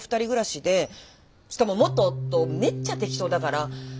しかも元夫めっちゃ適当だから！